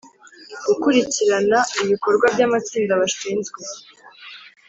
gukurikirana ibikorwa by amatsinda bashinzwe